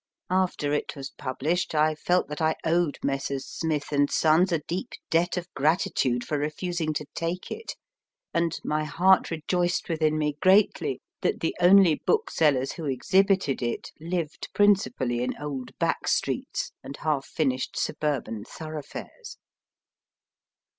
After it was published, I felt that I owed Messrs. Smith & Sons a deep debt of gratitude for refusing to take it, and my heart rejoiced within me greatly that the only booksellers who exhibited it lived principally in old back streets and half finished suburban thoroughfares.